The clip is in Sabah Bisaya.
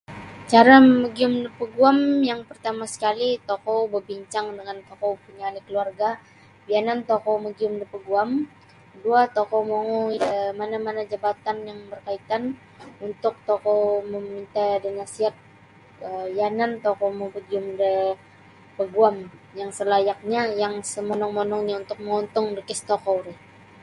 Cara magium da paguam yang partama sakali tokou babincang dangan tokou punya ahli keluarga bianan tokou magium da paguam kedua tokou mongoi da mana-mana jabatan yang berkaitan untuk tokou maminta da nasiat um yanan tokou mapagium da paguam yang salayaknyo yang samonong-monongnyo untuk mongontong da kes tokou ri.